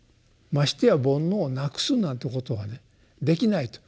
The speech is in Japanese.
ましてや煩悩をなくすなんてことはねできないと。